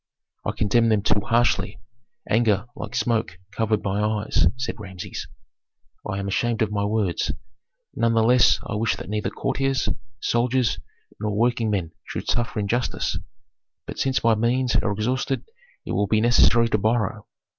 "I condemned them too harshly. Anger, like smoke, covered my eyes," said Rameses. "I am ashamed of my words; none the less I wish that neither courtiers, soldiers, nor working men should suffer injustice. But since my means are exhausted it will be necessary to borrow.